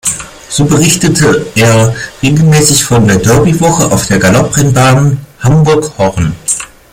So berichtete er regelmäßig von der Derby-Woche auf der Galopprennbahn Hamburg-Horn.